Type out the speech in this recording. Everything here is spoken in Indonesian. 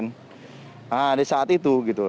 nah di saat itu gitu